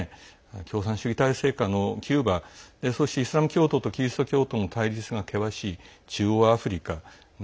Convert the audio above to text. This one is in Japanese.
共産主義体制のもとのキューバイスラム教徒とキリスト教徒の対立が険しい中央アフリカ